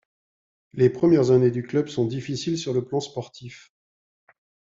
Les premières années du club sont difficiles sur le plan sportif.